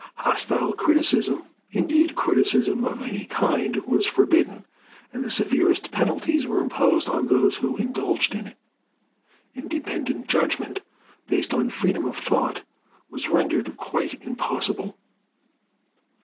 Hostile criticism, indeed criticism of any kind, was forbidden, and the severest penalties were imposed on those who indulged in it. Independent judgment, based on freedom of thought, was rendered quite impossible.